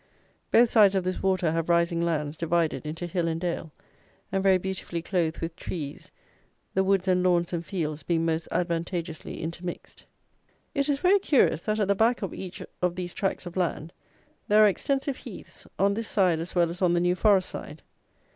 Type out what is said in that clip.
Both sides of this water have rising lands divided into hill and dale, and very beautifully clothed with trees, the woods and lawns and fields being most advantageously intermixed. It is very curious that, at the back of each of these tracts of land, there are extensive heaths, on this side as well as on the New Forest side.